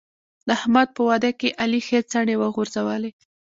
د احمد په واده کې علي ښې څڼې وغورځولې.